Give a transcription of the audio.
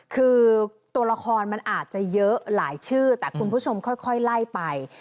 คือตัวละครมันอาจจะเยอะหลายชื่อแต่คุณผู้ชมค่อยไล่ไป